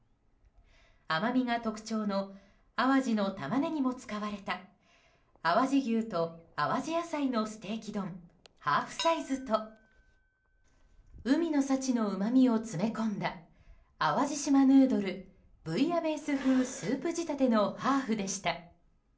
甘みが特徴の淡路のタマネギも使われた淡路牛と淡路野菜のステーキ丼ハーフサイズと海の幸のうまみを詰め込んだ淡路島ぬーどるブイヤベース風スープ仕立てのハーフでした。